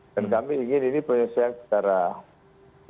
dan kami ingin ini penyesuaian secara cepat